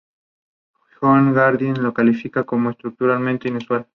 John Eliot Gardiner lo califica como "estructuralmente inusual".